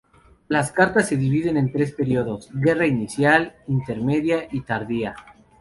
Las cartas se dividen en tres períodos: guerra inicial, intermedia y tardía.